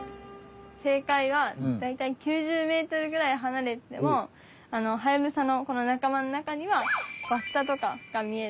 正解はだいたい９０ｍぐらい離れててもハヤブサのこのなかまのなかにはバッタとかが見える。